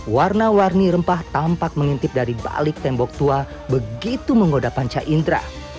warna warni rempah tampak mengintip dari balik tembok tua begitu menggoda panca indra